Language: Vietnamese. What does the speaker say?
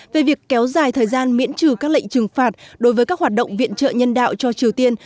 về việc kéo dài thời gian miễn trừ các lệnh trừng phạt đối với các hoạt động viện trợ nhân đạo cho triều tiên